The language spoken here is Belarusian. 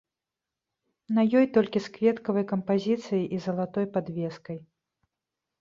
На ёй толькі з кветкавай кампазіцыяй і залатой падвескай.